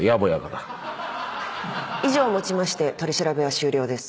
以上をもちまして取り調べは終了です。